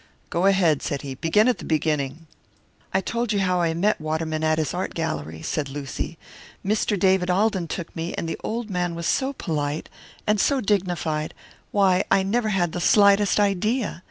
"Go ahead," said he. "Begin at the beginning." "I told you how I met Waterman at his art gallery," said Lucy. "Mr. David Alden took me, and the old man was so polite, and so dignified why, I never had the slightest idea!